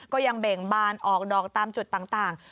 ก็ยังเบ่งบานออกดอกตามจุดต่าง